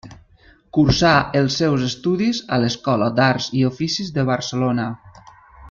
Cursà els seus estudis a l'Escola d'Arts i Oficis de Barcelona.